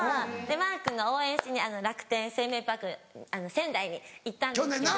マー君の応援しに楽天生命パーク仙台に行ったんですけど。